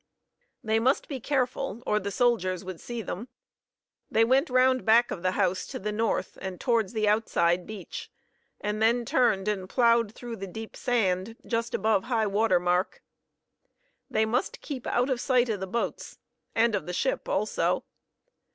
They must be careful, or the soldiers would see them. They went round back of the house to the north and towards the outside beach, and then turned and plowed through the deep sand just above high water mark. They must keep out of sight of the boats, and of the ship, also.